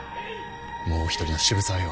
もう一人の渋沢よ。